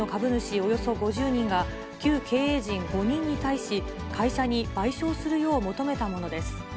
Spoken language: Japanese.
およそ５０人が、旧経営陣５人に対し、会社に賠償するよう求めたものです。